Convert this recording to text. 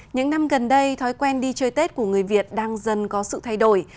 những năm gần đây thói quen đi chơi tết của người việt đang dần có sự thay đổi